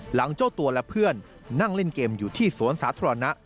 เจ้าตัวและเพื่อนนั่งเล่นเกมอยู่ที่สวนสาธารณะ